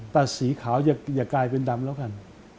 แต่สีขาวอย่ากลายเป็นดำแล้วกัน